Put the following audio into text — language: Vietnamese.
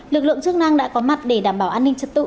lực lượng chức năng đã có mặt để đảm bảo an ninh trật tự